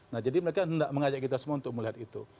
nah jadi mereka tidak mengajak kita semua untuk melihat itu